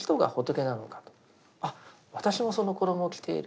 あっ私もその衣を着ている。